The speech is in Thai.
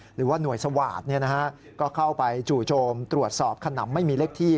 หรือว่าหน่วยสวาสตร์ก็เข้าไปจู่โจมตรวจสอบขนำไม่มีเลขที่